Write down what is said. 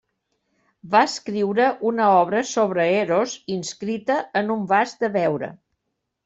Va escriure una obra sobre Eros inscrita en un vas de veure.